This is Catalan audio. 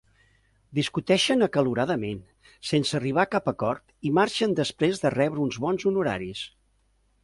Discuteixen acaloradament, sense arribar a cap acord, i marxen després de rebre uns bons honoraris.